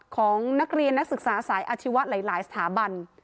ของนักเรียนนักศึกษาสายอาชีวะหลายสถาบัน